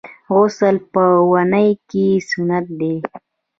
غسل په اونۍ کي سنت دی.